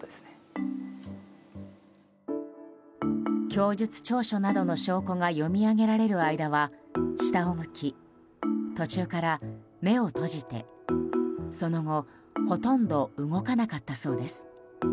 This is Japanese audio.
供述調書などの証拠が読み上げられる間は下を向き、途中から目を閉じてその後ほとんど動かなかったそうです。